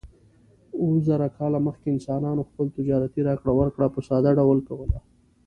اووه زره کاله مخکې انسانانو خپل تجارتي راکړه ورکړه په ساده ډول کوله.